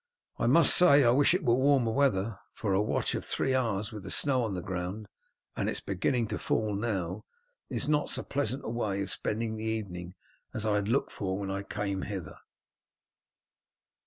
I must say I wish it were warmer weather, for a watch of three hours with the snow on the ground and it is beginning to fall now is not so pleasant a way of spending the evening as I had looked for when I came hither."